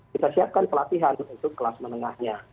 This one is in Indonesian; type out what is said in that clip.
kita siapkan pelatihan untuk kelas menengahnya